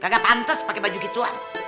gak pantas pake baju gituan